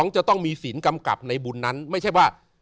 จะต้องมีศีลกำกับในบุญนั้นไม่ใช่ว่า